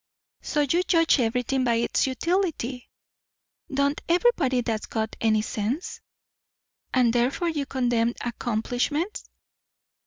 "So you judge everything by its utility." "Don't everybody, that's got any sense?" "And therefore you condemn accomplishments?"